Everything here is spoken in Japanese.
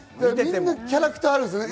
みんなキャラクターがあるんですよね。